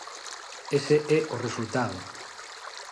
Ese é o resultado.